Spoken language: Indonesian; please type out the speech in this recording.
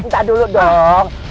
bentar dulu dong